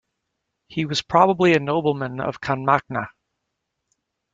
He was probably a nobleman of Canmaicne.